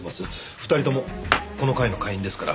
２人共この会の会員ですから。